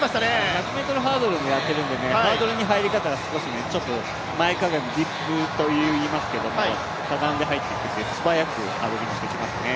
１００ｍハードルもやっているので、ハードルの入り方が少し、ちょっと前かがみ、かがんで入ってきて、素早くハードリングしてきますね。